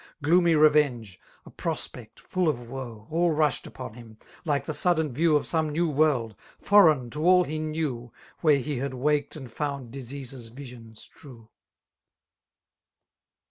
Gloomy revenge, a ]nx>spect foQ of woe. All rushed upon him, like the sudden view Of some new world, fbrdgn to all ha knew. Where he had waked and found disease^s visions true.